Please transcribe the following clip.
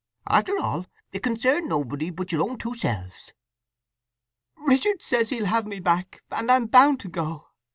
After all, it concerned nobody but your own two selves." "Richard says he'll have me back, and I'm bound to go!